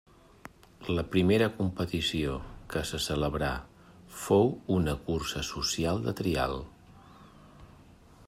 La primera competició que se celebrà fou una cursa social de trial.